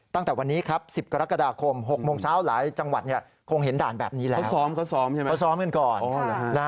ตั้งแต่วันนี้ครับ๑๐กรกฎาคม๖โมงเช้าหลายจังหวัดคงเห็นด่านแบบนี้แล้วเขาซ้อมเขาซ้อมใช่ไหมเขาซ้อมกันก่อน